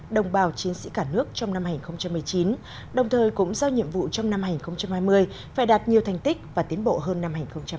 đồng bào chiến sĩ cả nước trong năm hai nghìn một mươi chín đồng thời cũng giao nhiệm vụ trong năm hai nghìn hai mươi phải đạt nhiều thành tích và tiến bộ hơn năm hai nghìn hai mươi